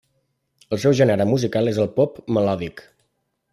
El seu gènere musical és el pop melòdic.